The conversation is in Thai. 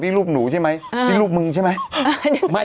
นี่รูปหนูใช่ไหมนี่รูปมึงใช่ไหม